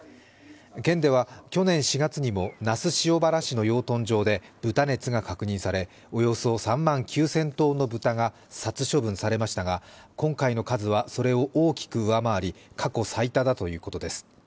県では去年４月にも那須塩原市の養豚場で豚熱が確認され、およそ３万９０００頭の豚が殺処分されましたが、今回の数はそれを大きく上回り過去最多だということです。